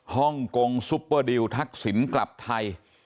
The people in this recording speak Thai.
ฮ่องกงซุปเปอร์ดิวทักษิณกลับไทย